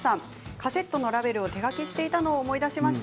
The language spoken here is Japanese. カセットのラベルを手書きしていたのを思い出しました。